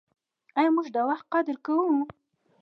آیا موږ د وخت قدر کوو؟